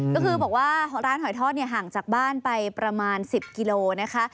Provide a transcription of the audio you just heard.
ก็คือบอกว่าร้านหอยทอดเนี่ยห่างจากบ้านไปประมาณ๑๐กิโลนะคะ